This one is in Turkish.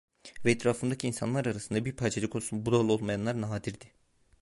Ve etrafımdaki insanlar arasında bir parçacık olsun budala olmayanlar nadirdi.